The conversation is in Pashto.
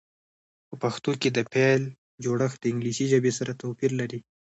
په پښتو کې د فعل جوړښت د انګلیسي ژبې سره توپیر لري.